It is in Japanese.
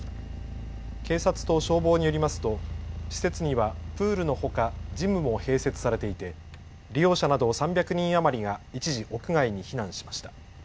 警察と消防によりますと施設にはプールのほかジムも併設されていて利用者など３００人余りが一時屋外に避難しました。